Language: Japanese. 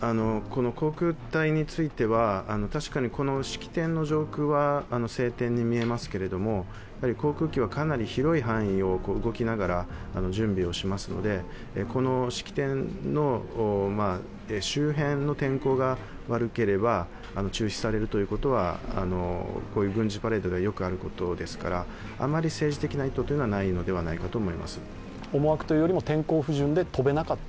航空隊については、確かにこの式典の上空は晴天に見えますが航空機はかなり広い範囲を動きながら準備をしますので、この式典の周辺の天候が悪ければ中止されるということはこういう軍事パレードではよくあることですからあまり政治的な意図はないのではないかと思います。